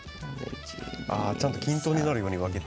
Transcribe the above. ちゃんと均等分になるように分けて。